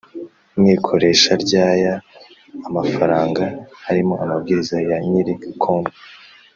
Mwikoresha ryaya amafaranga harimo amabwiriza ya nyiri konti